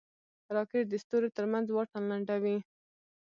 راکټ د ستورو ترمنځ واټن لنډوي